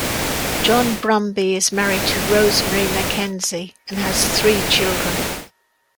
John Brumby is married to Rosemary McKenzie and has three children.